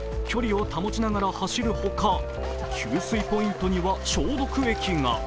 距離を保ちながら走るほか給水ポイントには消毒液が。